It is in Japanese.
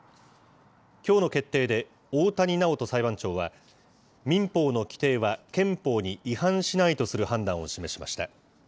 きょうの決定で、大谷直人裁判長は、民法の規定は憲法に違反しないとする判断を示しました。